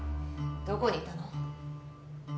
どこにいたの？